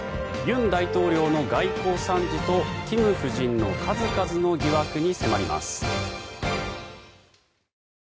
尹大統領の外交惨事とキム夫人の数々の疑惑に迫ります。